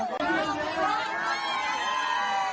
เร็วเข้า